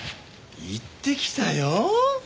行ってきたよ。